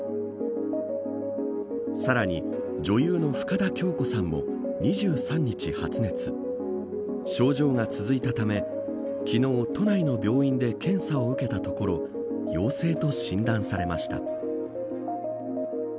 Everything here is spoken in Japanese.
さらに、女優の深田恭子さんも２３日発熱、症状が続いたため昨日、都内の病院で検査を受けたところ陽性と診断されました。